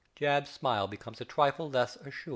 (_~JAB.'S~ smile becomes a trifle less assured.